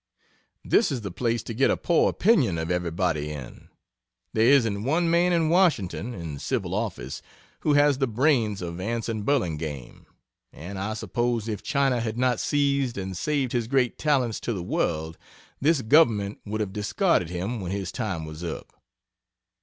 This is the place to get a poor opinion of everybody in. There isn't one man in Washington, in civil office, who has the brains of Anson Burlingame and I suppose if China had not seized and saved his great talents to the world, this government would have discarded him when his time was up.